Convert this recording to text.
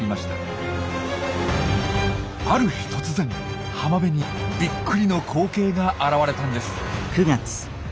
ある日突然浜辺にびっくりの光景が現れたんです。